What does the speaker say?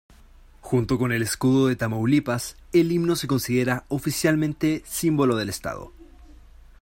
Junto con el Escudo de Tamaulipas, el himno se considera oficialmente símbolo del estado.